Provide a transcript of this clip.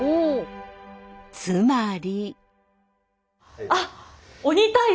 つまり。